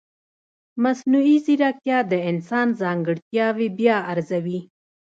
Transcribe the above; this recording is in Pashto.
مصنوعي ځیرکتیا د انسان ځانګړتیاوې بیا ارزوي.